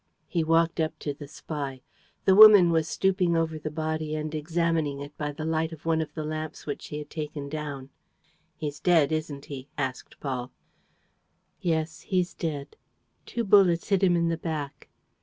He walked up to the spy. The woman was stooping over the body and examining it by the light of one of the lamps which she had taken down. "He's dead, isn't he?" asked Paul. "Yes, he's dead. Two bullets hit him in the back."